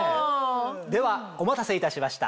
ではお待たせいたしました。